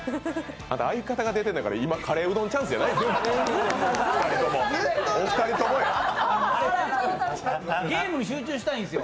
相方が出てるんだから今、カレーうどんチャンスじゃないですよ。